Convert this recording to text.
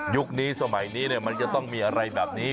นี้สมัยนี้มันจะต้องมีอะไรแบบนี้